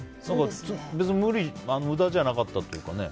別に無駄じゃなかったというかね。